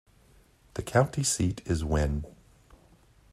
The county seat is Wynne.